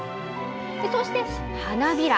そして花びら。